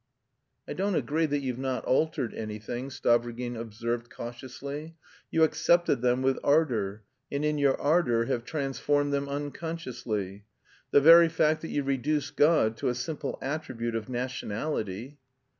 "I don't agree that you've not altered anything," Stavrogin observed cautiously. "You accepted them with ardour, and in your ardour have transformed them unconsciously. The very fact that you reduce God to a simple attribute of nationality..."